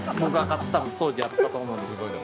当時あったと思うんですけど。